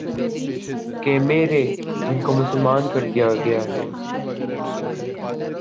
کہ میرے جن کو مسلمان کر دیا گیا ہے